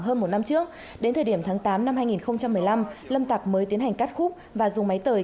hơn một năm trước đến thời điểm tháng tám năm hai nghìn một mươi năm lâm tạc mới tiến hành cắt khúc và dùng máy tời